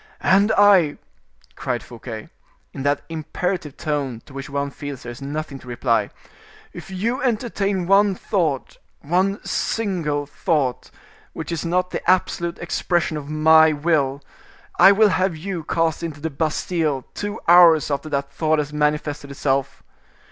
"And I," cried Fouquet, in that imperative tone to which one feels there is nothing to reply, "if you entertain one thought, one single thought, which is not the absolute expression of my will, I will have you cast into the Bastile two hours after that thought has manifested itself.